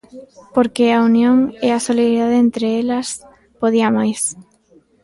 Porque a unión e a solidariedade entre elas podía máis.